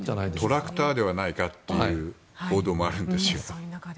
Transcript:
トラクターではないかという報道もあるんですよ。